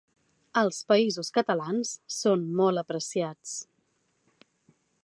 Als Països Catalans són molt apreciats.